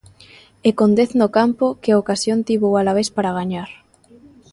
E con dez no campo, que ocasión tivo o Alavés para gañar.